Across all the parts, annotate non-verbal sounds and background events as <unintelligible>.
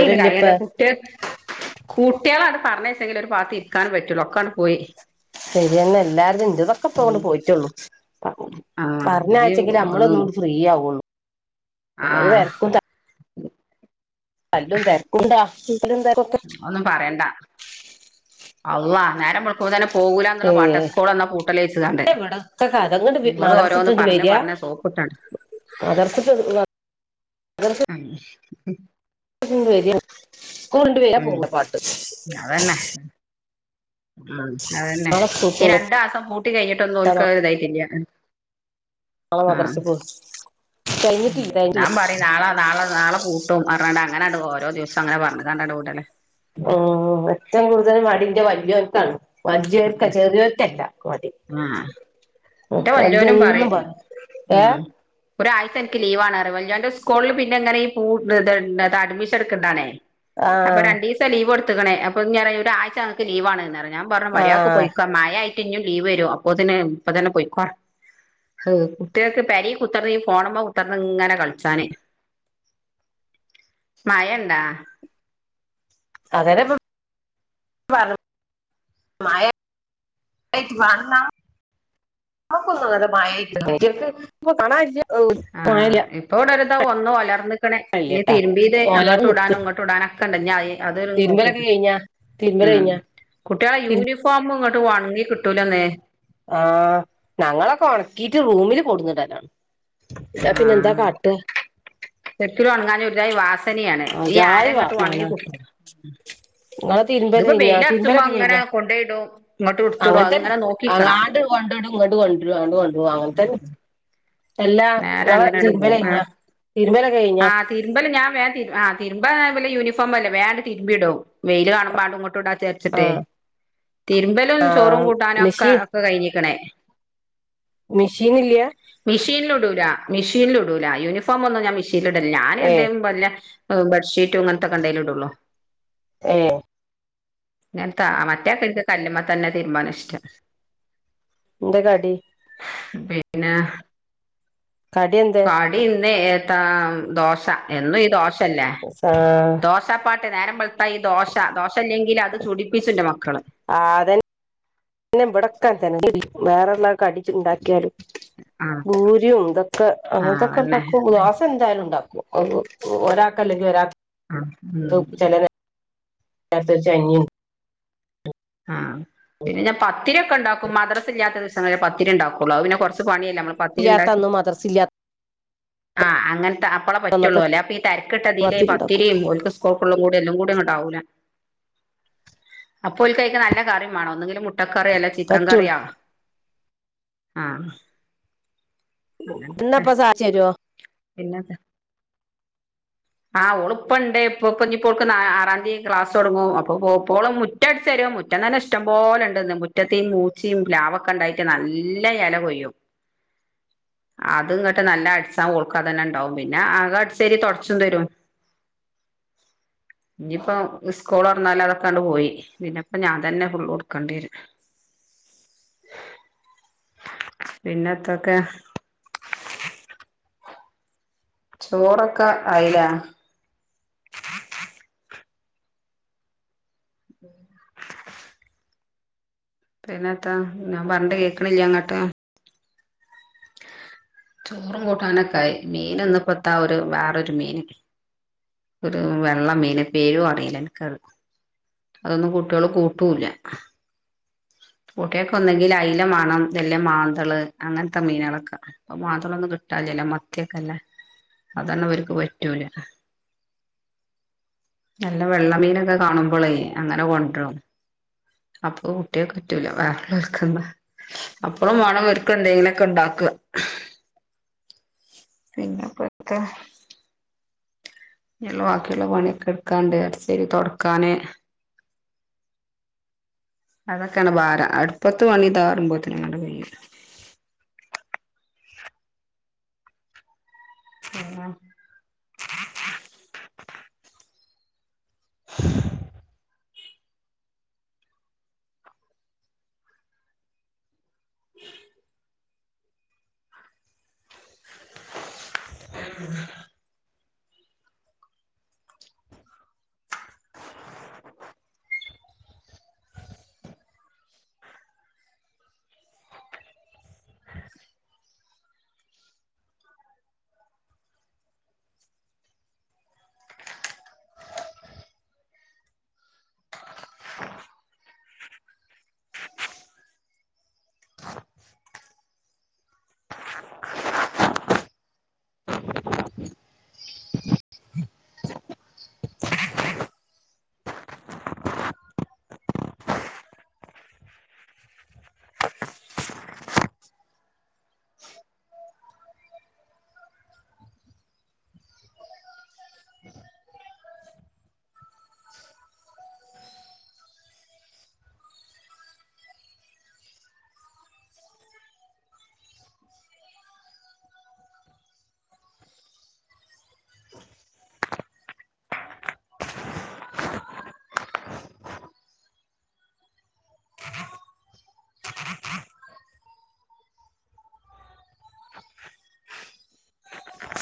ഇനി ഇത് കറിയുണ്ടാക്കും. കുട്ടികളെ അങ്ങ് പറഞ്ഞ് അയച്ചാലെ ഒരു ഭാഗത്ത് ഇരിക്കാൻ പറ്റുള്ളു ഒക്കെയങ്ങ് പോയി. ശരിയന്നെ എല്ലാരും ഇന്റെ തൊക്കെ ഇപ്പൊണ്ട് പോയിട്ടുള്ളൂ ആഹ് ഇനി പറഞ്ഞാച്ചെങ്കിൽ ഒന്നും നമ്മളന്നുങ് ഫ്രീയാവുള്ളൂ ആഹ് അത്വരക്കുംത അല്ലും തിരക്കുണ്ടാുംകീട്ല് ന്ത ഒന്നും പറയണ്ട അള്ള നേരംവെളക്ക തന്നെ പോകൂലന്നുള്ള ഏ പാട്ട് സ്കൂൾ എന്ന പൂട്ടലച്ചതാണ്ട് ഇവിടൊക്കെ കഥ ഇങ്ങട് ഉള്ളത് ഓരോന്ന് പറഞ്ഞഞ് പറഞ്ഞസോപ് പുട്ടൺ അതർച്ചട്ടവ അഹ് ഹ് സ്കൂൾണ്ട് വെര സ്കൂൾണ്ട് വരി ഉം പോകുന്ന പാട്ട്. അതന്നെ. ഉ അതന്നെ നാളെ സ്കൂൾക്ക് ഈ പോവാ രണ്ട മാസം പൂട്ടി കഴിഞ്ഞിട്ടൊന്നും ഉൽക്കാ ഇതായിട്ടല്ല. നള മദ്രസകൊ. ഉം ഞാൻ പറ നാളെ നളെ നാളെ പൂട്ടും അങ്ങനാണ്ട് ഓരോ ദിവസം അങ്ങനെ പറഞ്ഞങ്ങാണ്ട് വിടല്. മം ഏറ്റവും കൂടുതൽ മടിന്റെ വല്ല്യോനക്കാണ്. വല്ല്യോർക്ക ചെറിയർക്കല്ല മടി. ആഹ് മം എന്റെ വല്യോനും വൽതന്നും പറയും പറിം ഏ. ഉം ഒരാഴ്ച എനിക്ക് ലീവാണ് അറിം വല്ല്യോന്റെ സ്കൂളിൽ പിന്നെ ങ്ങനെപൂണ്ത് ഇണ്ട് അഡ്മിഷൻ എക്കനതാണ്. അപ്പൊ ആഹ് രണ്ടീസം ലീവൊട്ത്ക്ണ് എടുക്കണ അപ്പൊ ഒരാഴ്ചക്ക് ലീവാണ് ഞാൻപറഞ്ഞ മര്യാക്ക് ആഹ് പോയിക്ക. മയായിട്ട് ഇനും ലീവരും അപ്പൊ തിന് ഇപ്പൊ തന്നെ പോയിക്കോ ഹ് കുട്ടൾക്ക്പേരെ കുത്തർന്ന് ഫോണമെ കുത്തർന്നി ങ്ങനെ കളിച്ചാന്. മയണ്ടാ? അതെന്നെപ്പം വർ മായ ഇറ്റ് വർണം. മ്മക്കൊന്നും അങ്ങനത്തെ മഴയെല്ല ഐറ്റെൾക്കു പൊക്ണായില്ല ആഹ് ഇപ്പോ ഇടരിതാ വന്നു വലർന്ന്. ക്ക്ണ് ഇനീ മഴയില്ലട്ടാ തിരുമ്പ ഇത് ഓലാറ് അങ്ങോട്ട നിക്ക് ഇടാനും ഇങ്ങോട്ട ഇടാനൊക്കെ ഇണ്ട ഞാ അത് നോക്കി ഉം തിരിമ്പലയിഞ്ഞോ? കുട്ടികളെ യൂണിഫോമ ഇങ്ങോട്ട് ഉണങ്ങി കിട്ടൂലന്നേ. ആഹ് ഞങ്ങളൊക്കെ ഉണക്കിട്ട് റൂമിൽ കൊടുന്നുടലാണ് ഇപിന്നെ എന്താ കാ ട്ടാ ശെരിക്കുന്നു ഉണങ്ങാഞാ ഒരുജാതിവാസനയാണ് ഈ അജായി വാ ആരങ്ങോട്ട് മണാണ് ഉണങ്ങികിട്ടൂല. നിങ്ങളെ തിരുമ്പല് അതിപ്പോ കഴിഞ്ഞാ വെയിലറച്ചുമ്പോ തിരുമ്പലൊക്കെ അങ്ങനെ കഴിഞ്ഞാ കൊണ്ടയിടോ ഇങ്ങോട്ട് ഇടുത്തിട അങ്ങനെ നോക്കി അ ആണ്ട് കൊണ്ടോടും ഇങ്ങോട്ട് കൊരു കൊണ്ട അങ്ങനത്തെന്ന എല്ലാ നേരെ നി അങ്ങനെയട് തിരുമ്മല കഴിഞ്ഞ തിരുമ്പലൊക്കെ കഴിഞ്ഞ? തരുമ്പല ഞാ വേൻ ആ തിരുമ്പല്ല യൂണഫോംല്ലേണ്ടരുമ്പിടും വെയിൽ കാണ്പാ അുംങ്ങോട്ട ഇട ച ചിട്ടേ ആഹ് തിരുമ്പലും ചോറും ആഹ് കൂട്ടാനും ഒക്കെ മെഷീൻ ഒക്കെ കഴിഞ്ഞിക്കണേ. മിഷീൻ ഇല്ലയ? മെഷീനൽ ഇടൂല മെഷീനില ഇടൂല യൂണിഫോം ഒന്നും ഞാൻ മെഷീന ഇടില്ല ഞാൻ ഏ എന്തേും വല്ല ബെഡ്ഷീറ്റ അങ്ങനത്തെക്ക കണ്ട കല ഇടുള്ളോ ഏഹ് ഞാൻ മറ്റേ കലുമ തന്നെ തീരുമ്പൻ ഇഷ്ടം എന്താ കടി? പിന്നെ കടി എന്തേ? ഇന്ന ദോശ എന്നും ഈ ദോശല്ലേ ആഹ് ദോശാപ്പാട്ട് നേരം വെളുത്തായി ഈ ദോശ ദോശ അല്ലെങ്കിലിൽ അത് ചുടിപ്പിച്ചുണ്ട് മക്കള് ആ അതെ വിടക്കാൻ തന്നെ വേറെള്ളക്കെ അടിച്ചുണ്ടാക്കിയാലും ആഹ് പൂരി ഇതൊക്കെ ആഹ് അങ്ങനത്തെക്കെ അതന്നെ ഉണ്ടാക്കും ദോശ എന്തായാലും ഉണ്ടാക്കും ഒരാക്കല്ലെങ്കിൽ ഒരാ ആഹ് ക്ക് ഉം ചെലരെ ത്ത ചൈനി ആ പിന്നെ ഞാ ൻപത്തിരി ഒക്കെ ഉണ്ടാക്കും മദ്രസ് ഇല്ലാത്ത മദ്ര സ ഇല്ലാത്തദിവസങ്ങള പത്തിരി ഉണ്ടാക്കുള്ളോ അത്പിന്നെ കുറച്ച് പണിയല്ലേ നമ്മ ഇല്ലാത്തന്ന് മദർസില്ല ആഹ് അങ്ങനത്തെ അപ്പളെ പറ്റുള്ളൂ അന്നൊക്കെ അല്ലേ അപ്പൊ ഈ തിരക്കിട്ടതിൽ പത്തിരി ഉണ്ടാക്കും പത്തിരിയും ഓല് ക്ക് സ്‌കൂൾക്ക് ള്ള എല്ലതും കൂടി ആവുലാ അപ്പോൽ അയിൽക്ക് നല്ല കറി വാണം ഒന്നെങ്കിലും മുട്ടക്കറി അല്ലെങ്കി ചിക്കൻ പറ്റുള്ളൂ കറിയോ ആഹ് അ എന്നാപ്പ സാധിച്ചു തരുവോ പിന്നന്തൊ ആഹ് ഓള് ഇപ്പ ഇണ്ടേ ഇപ്പൊ ഒഇപ്പ ഉണ്ട് ആറാം തിയതി ക്ലാസ് തുടങ്ങും അപ്പൊ പോവോളം മുറ്റ മുറ്റ അടിച്ച് തരുംമുറ്റം തന്നെ ഇഷ്ടംപോലെ ഉണ്ട്ന്ന് മുറ്റത്തയും മൂച്ചിയും ഫ്ലാവ ഒക്കെ ഉണ്ടായിട്ട് നല്ല എല കൊയ്യും <inaudible> അത് ഇ ങ്ങട്ട് നല്ല അടിച്ചാ ഓൾക്കതന്നെ ണ്ടാവും പിന്നെ അകം അടിച്ചല് തുട തുടച്ചും തരും <inaudible> ഇനിയിപ്പോ സ്കൂൾ തുറന്നാലെ അതൊക്കൊണ്ട് പോയി പിന്നെ ഇപ്പോ ഞാൻ തന്നെ ഫുള്ള് ഇടുക്കേണ്ടി വരും <inaudible> പിന്നത്തൊക്കെ ചോറൊക്കെ ആയിലേ <inaudible> പിന്നെത്താ ഞാൻ പറഞ്ഞിട്ട് കേൾക്കണില്ലേ അങ്ങട്ട് ചോറും കൂട്ടാനൊക്കായി മീൻ ഇന്നപ്പത്താ ഒരു വേറൊരു മീൻ ഒരു വെള്ള മീന പേരു അറിയില്ല എനക്ക് അതൊന്നും കുട്ടികള് കൂട്ടൂല്ല കൂട്ടിയൊക്കെ ഒന്നെങ്കിൽ അയിലമാണം വല്ല മാന്തള് അങ്ങനത്തെ മീനുകളൊക്കെ ഇപ്പൊ മാത ളെന്നും കിട്ടാല്ല ല്ല മത്തിയൊക്കെല്ല അതൊന്ന് അവർക്ക് പറ്റൂല നല്ല വെള്ളമീനൊക്കെ കാണുമ്പോളേ അങ്ങനെ കൊണ്ട് രും അപ്പൊ കുട്ടയോൾക്ക് പറ്റൂല വേറെ ല്ലോൽക്കന്താ അപ്പഴും വാണം ഓൽക്ക് എന്തെങ്കിലുംക്കെ ഉണ്ടാക്കുക പിന്നെപ്പന്തൊ ഇനിബാക്കിയുള്ള പണിയൊക്കെ എടുക്കാണ്ട് അടിച്ച ല് തൊടക്കാന് അതൊക്കെയാണ് ഭാരം അടുപ്പത്ത് പണി താറുമ്പോഴത്തിനങ്ങാണ്ട് കഴിയും ആഹ് <inaudible> <inaudible> <unintelligible>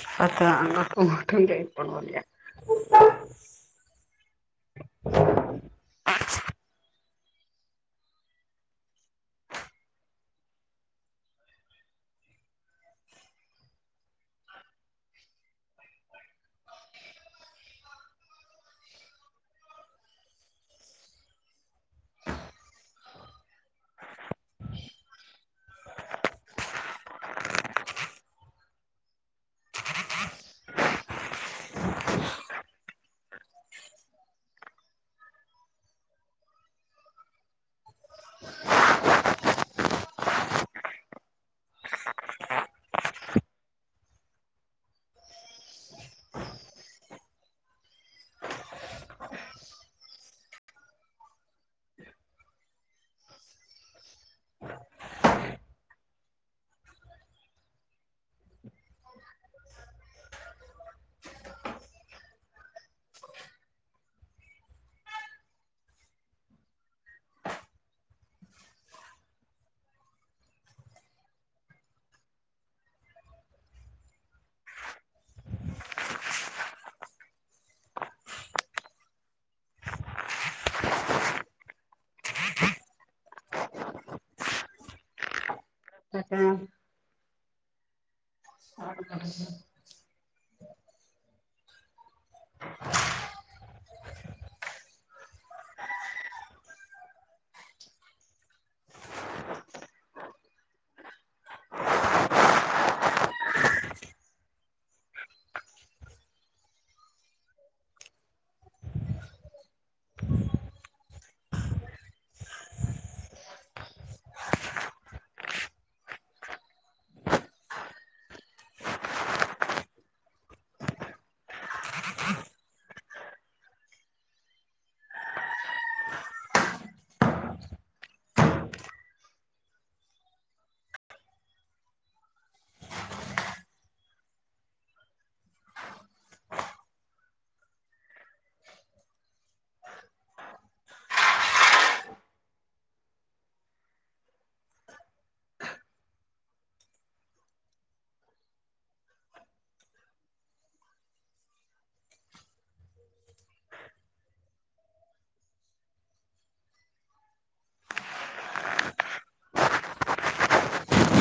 ഇപ്പത്തെ ആണുങ്ങൾക്കും ഒട്ടും ചെയിപ്പിക്കിണില്ലാ <unintelligible> <unintelligible>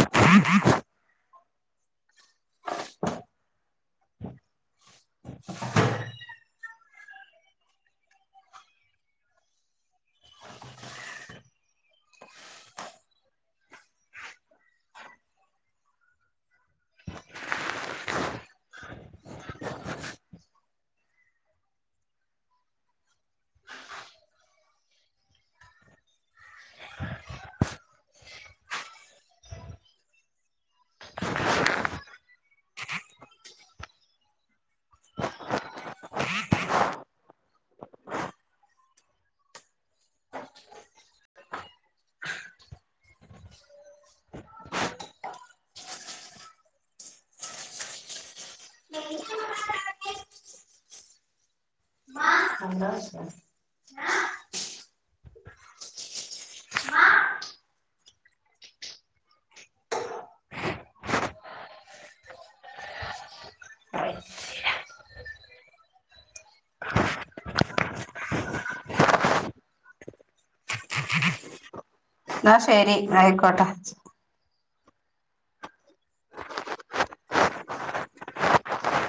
<inaudible> <inaudible> <unintelligible> <inaudible> ന്നാ ശരി ആയിക്കോട്ടെ